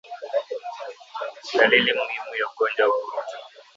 Dalili muhimu ya ugonjwa wa ukurutu